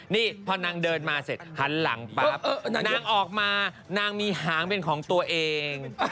นี่พอนางเดินมาเสร็จหันหลังปั๊บนางออกมานางมีหางเป็นของตัวเอง